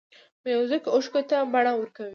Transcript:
موزیک اوښکو ته بڼه ورکوي.